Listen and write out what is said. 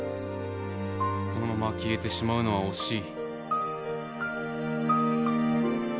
このまま消えてしまうのは惜しい。